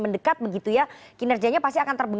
mendekat kinerjanya pasti akan